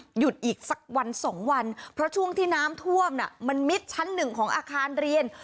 หยุดอีกสักวันสองวันเพราะช่วงที่น้ำท่วมน่ะมันมิดชั้นหนึ่งของอาคารเรียน